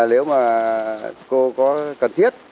nếu mà cô có cần thiết